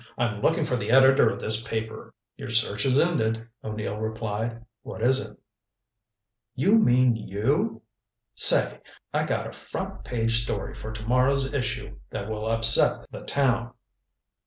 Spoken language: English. "I'm looking for the editor of this paper." "Your search is ended," O'Neill replied. "What is it?" "You mean you Say! I've got a front page story for to morrow's issue that will upset the town."